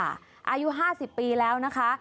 อายุ๕๐ปีแล้วนะคะ